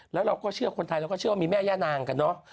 แล้วเราก็เชื่อคนไทยเราก็เชื่อว่ามีแม่ย่านางกันเนอะ